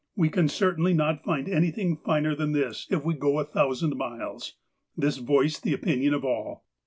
"We can certainly not find anything finer than this, if we go a thousand miles." This voiced the opinion of all.